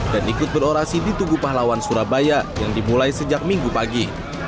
dan ikut berorasi di tugu pahlawan surabaya yang dimulai sejak minggu pagi